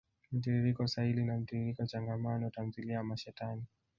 mtiririko sahili na mtiririko changamano. Tamthilia ya mashetani.